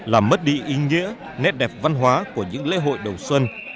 làm mất đi ý nghĩa nét đẹp văn hóa của những lễ hội đầu xuân